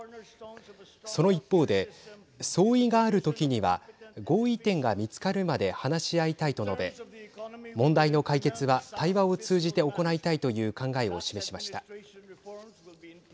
その一方で相違があるときには合意点が見つかるまで話し合いたいと述べ問題の解決は、対話を通じて行いたいという考えを示しました。